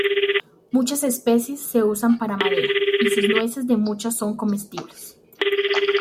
Muchas especies se usan para madera, y sus nueces de muchas son comestibles.